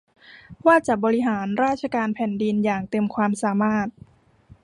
ว่าจะบริหารราชการแผ่นดินอย่างเต็มความสามารถ